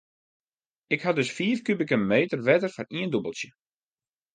Ik ha dus fiif kubike meter wetter foar ien dûbeltsje.